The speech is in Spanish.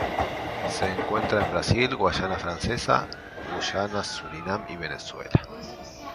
Se encuentra en Brasil, Guayana Francesa, Guyana, Surinam y Venezuela.